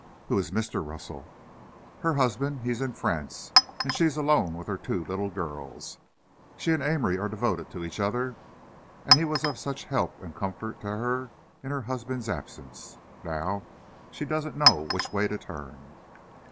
"Who is Mr. Russell?" "Her husband? He's in France, and she's alone with her two little girls. She and Amory are devoted to each other, and he was of such help and comfort to her in her husband's absence. Now, she doesn't know which way to turn."